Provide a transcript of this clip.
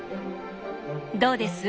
どうです？